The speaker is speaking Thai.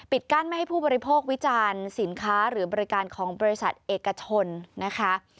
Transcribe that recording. กั้นไม่ให้ผู้บริโภควิจารณ์สินค้าหรือบริการของบริษัทเอกชนนะคะ